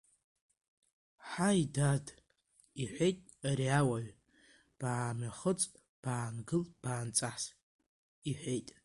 Ҳаи, дад, — иҳәеит ари ауаҩ, баамҩахыҵ, баангыл, баанҵас, — иҳәеит.